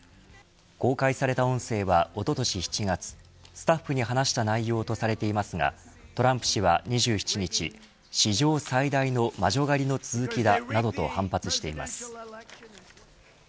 公開された音声は、おととし７月スタッフに話した内容とされていますがトランプ氏は２７日史上最大の魔女狩りの続きだなどと反発しています。